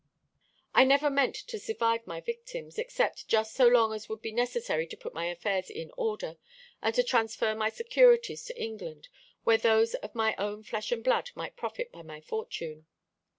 "I never meant to survive my victims, except just so long as would be necessary to put my affairs in order, and to transfer my securities to England, where those of my own flesh and blood might profit by my fortune.